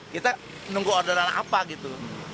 kita nunggu orderan apa gitu